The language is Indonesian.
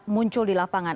muncul di lapangan